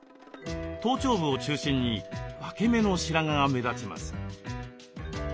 頭頂部を中心に分け目の白髪が目立ちます。